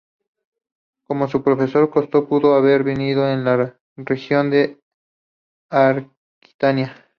Como su profesor, Castor pudo haber venido de la región de Aquitania.